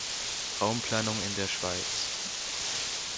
Raumplanung in der Schweiz